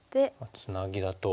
ツナギだと。